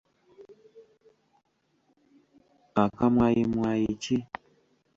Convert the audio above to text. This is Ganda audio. Aka Mwayi Mwayi ki?